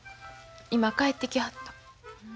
今帰ってきはった。